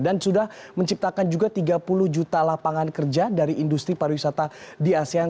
dan sudah menciptakan juga tiga puluh juta lapangan kerja dari industri pariwisata di asean